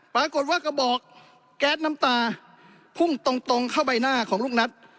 ปรากฏว่ากระบอกแก๊สน้ำตาพุ่งตรงเข้าไปหน้าของลูกนัท